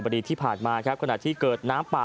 นี่นี่นี่นี่นี่นี่